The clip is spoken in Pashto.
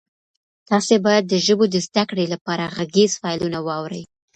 تاسي باید د ژبو د زده کړې لپاره غږیز فایلونه واورئ.